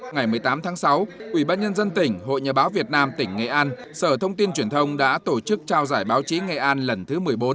ngày một mươi tám tháng sáu ủy ban nhân dân tỉnh hội nhà báo việt nam tỉnh nghệ an sở thông tin truyền thông đã tổ chức trao giải báo chí nghệ an lần thứ một mươi bốn